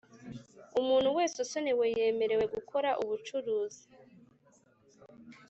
Umuntu wese usonewe yemerewe gukora ubucuruzi